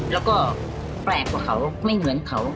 แล้วก็แปลกกว่าเขาไม่เหมือนเขา